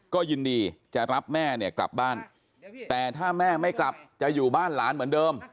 ก็ยินดีจะรับแม่เนี่ยกลับบ้านแต่ถ้าแม่ไม่กลับจะอยู่บ้านหลานเหมือนเดิม